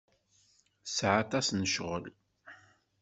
Tesɛa aṭas n ccɣel.